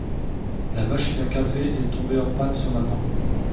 La machine à café est tombée en panne ce matin